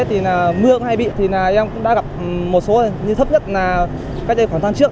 thì là mưa hay bị thì em cũng đã gặp một số như thấp nhất là cách đây khoảng tháng trước